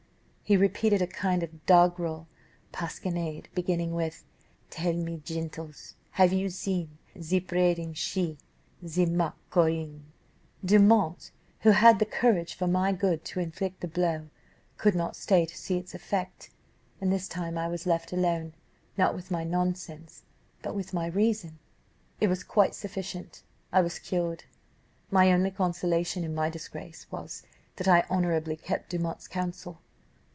He repeated a kind of doggrel pasquinade, beginning with 'Tell me, gentles, have you seen, The prating she, the mock Corinne?' "Dumont, who had the courage for my good to inflict the blow, could not stay to see its effect, and this time I was left alone, not with my nonsense, but with my reason. It was quite sufficient. I was cured. My only consolation in my disgrace was, that I honourably kept Dumont's counsel.